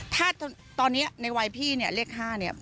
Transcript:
ถ้าตอนนี้ในวัยพี่เลข๕นี่